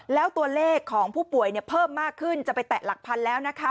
แล้วตัวเลขของผู้ป่วยเพิ่มมากขึ้นจะไปแตะหลักพันแล้วนะคะ